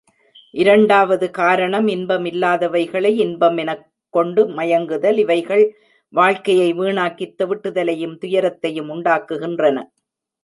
இரண்டாவது காரணம் இன்பமில்லாதவைகளை இன்பம் எனக்கொண்டு மயங்குதல், இவைகள் வாழ்க்கையை வீணாக்கித் தெவிட்டுதலையும் துயரத்தையும் உண்டாக்குகின்றன.